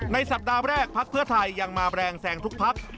สัปดาห์แรกภักดิ์เพื่อไทยยังมาแรงแซงทุกพัก